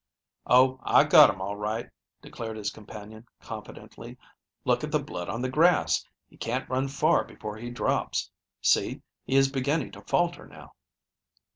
"Oh, I got him all right!" declared his companion confidently. "Look at the blood on the grass. He can't run far before he drops. See, he is beginning to falter now."